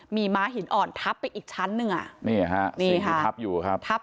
มีม้าหินอ่อนทับไปอีกชั้นหนึ่งอ่ะนี่ฮะนี่ค่ะทับอยู่ครับทับ